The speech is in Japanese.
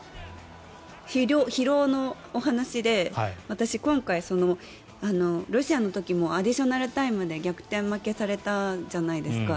疲労のお話で私、今回ロシアの時もアディショナルタイムで逆転負けされたじゃないですか。